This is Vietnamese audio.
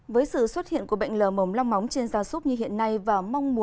với sự xuất hiện của bệnh lở mồm long móng